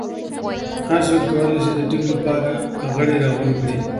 هر څوک کولای شي د ټیم لپاره غړي راغونډ کړي.